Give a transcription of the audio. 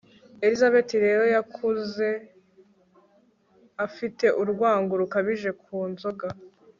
elizabeth rero yakuze afite urwango rukabije ku nzoga